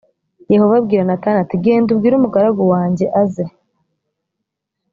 yehova abwira natani ati genda ubwire umugaragu wanjye aze.